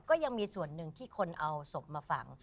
ก็ยังมีส่วนหนึ่งที่คนเอาศพมาฝัง